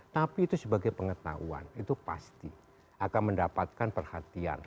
tapi itu sebagai pengetahuan itu pasti akan mendapatkan perhatian